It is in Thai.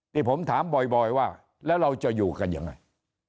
ที่ผมถามบ่อยว่าแล้วเราจะอยู่กันยังไง